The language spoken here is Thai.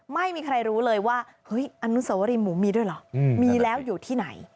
ไม่มีใครรู้เลยว่าเฮ้ยอนุสวรีหมูมีด้วยเหรอมีแล้วอยู่ที่ไหน